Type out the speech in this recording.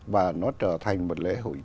và nó trở thành một lễ hội